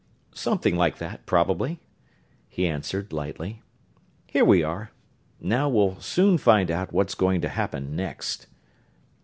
"Something like that, probably," he answered, lightly. "Here we are now we'll soon find out what's going to happen next."